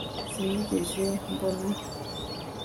sinigeze mbona